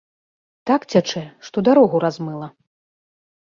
Так цячэ, што дарогу размыла.